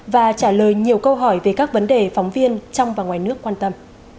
và trả lời nhiều câu hỏi về các vấn đề phóng viên trong và ngoài nước quan tâm